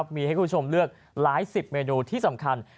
มีให้คุณผู้ชมเลือกหลายสิบเมนูที่สำคัญ